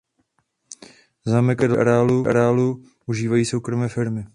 Zámek a další budovy areálu užívají soukromé firmy.